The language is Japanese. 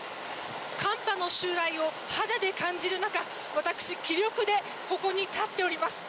寒波の襲来を肌で感じる中私、気力でここに立っております。